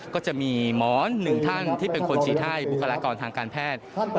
ก็จะมีหมอนหนึ่งท่านที่เป็นคนฉีดให้บุคลากรทางการแพทย์